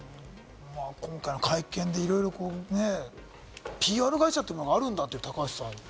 今回の会見でいろいろね、ＰＲ会社というのがあるんだって、高橋さん。